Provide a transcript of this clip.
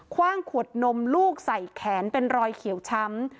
ว่างขวดนมลูกใส่แขนเป็นรอยเขียวช้ำ